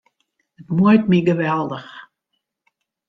It muoit my geweldich.